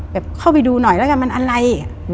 เข้าไปดูหน่อยแล้วกันมันอะไร